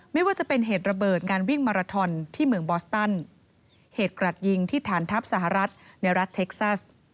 ไม่ว่าจะเป็นเหตุระเบิดงานวิ่งมาราทอนที่เมืองบอสตันเหตุกระดยิงที่ฐานทัพสหรัฐในรัฐเท็กซัส